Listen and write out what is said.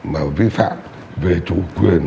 mà vi phạm về chủ quyền